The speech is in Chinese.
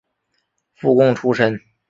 附贡出身。